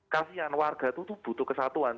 kasian warga itu tuh butuh kesatuan